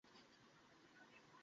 তোমায় বাঁচাচ্ছি, সোনা।